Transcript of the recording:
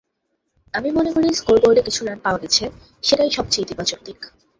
আমি মনে করি স্কোরবোর্ডে কিছু রান পাওয়া গেছে, সেটাই সবচেয়ে ইতিবাচক দিক।